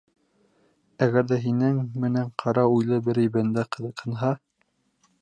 Әгәр ҙә һинең менән ҡара уйлы берәй бәндә ҡыҙыҡһынһа...